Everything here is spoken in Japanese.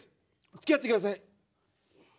つきあって下さい。